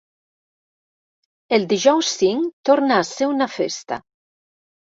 El dijous cinc torna a ser una festa.